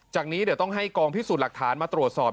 จากนี้เดี๋ยวต้องให้กองพิสูจน์หลักฐานมาตรวจสอบ